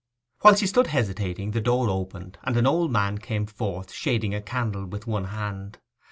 While she stood hesitating the door opened, and an old man came forth shading a candle with one hand.